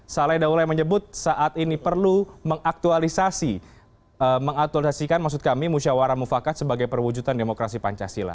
saleh daule menyebut saat ini perlu mengaktualisasi mengasosiasikan maksud kami musyawarah mufakat sebagai perwujudan demokrasi pancasila